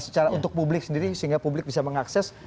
secara untuk publik sendiri sehingga publik bisa mengakses